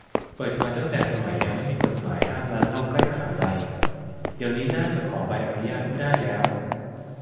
เปิดมาตั้งแต่สมัยยังไม่มีกฎหมายห้ามร้านเหล้าใกล้มหาลัย เดี๋ยวนี้น่าจะขอใบอนุญาตไม่ได้แล้ว